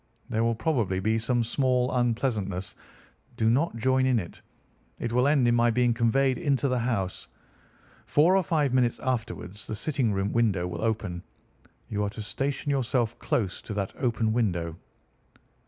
There will probably be some small unpleasantness. Do not join in it. It will end in my being conveyed into the house. Four or five minutes afterwards the sitting room window will open. You are to station yourself close to that open window."